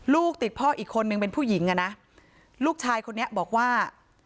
ลูกติดพ่ออีกคนนึงเป็นผู้หญิงอ่ะนะลูกชายคนนี้บอกว่า